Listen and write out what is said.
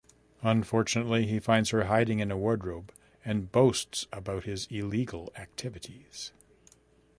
Unfortunately he finds her hiding in a wardrobe and boasts about his illegal activities.